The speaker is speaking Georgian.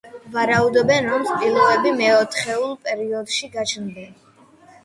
ვარაუდობენ, რომ სპილოები მეოთხეულ პერიოდში გაჩნდნენ.